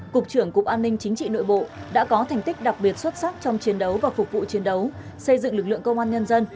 cục trưởng cục an ninh chính trị nội bộ đã có thành tích đặc biệt xuất sắc trong chiến đấu và phục vụ chiến đấu xây dựng lực lượng công an nhân dân